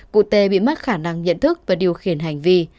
cụ tê bị mất khả năng nhận thức và điều khiển hành vi